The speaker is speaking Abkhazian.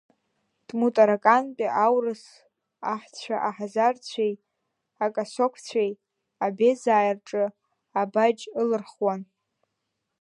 Тмутаракантәи аурыс аҳцәа аҳазарцәеи, акасогцәеи, обезааи рҿы абаџь ылырхуан…